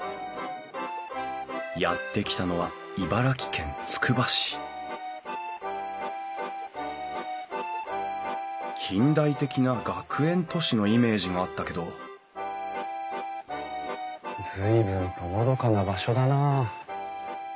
やって来たのは茨城県つくば市近代的な学園都市のイメージがあったけど随分とのどかな場所だなあ。